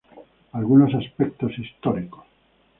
Algunos aspectos históricos.